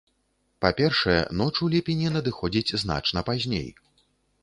Па-першае, ноч у ліпені надыходзіць значна пазней.